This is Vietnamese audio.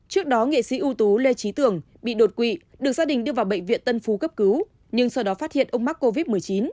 trước đó nghệ sĩ ưu tú lê trí tường bị đột quỵ được gia đình đưa vào bệnh viện tân phú cấp cứu nhưng sau đó phát hiện ông mắc covid một mươi chín